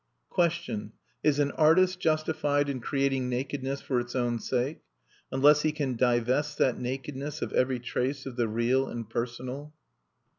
Question: Is an artist justified in creating nakedness for its own sake, unless he can divest that nakedness of every trace of the real and personal?